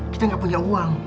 kita gak punya uang